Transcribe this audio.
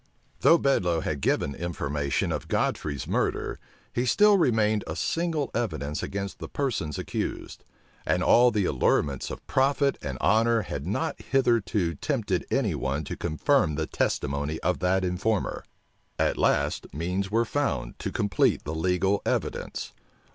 Though Bedloe had given information of Godfrey's murder, he still remained a single evidence against the persons accused; and all the allurements of profit and honor had not hitherto tempted any one to confirm the testimony of that informer. At last, means were found to complete the legal evidence.